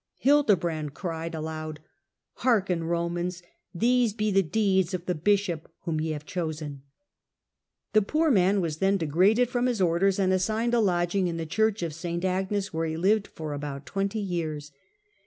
Hildebrand cried aloud, ' Hearken, Romans ! these be the deeds of the bishop whom ye have chosen.' The poor man was then degraded from his orders, and assigned a lodging in the church of St. Agnes, where he lived for about twenty years.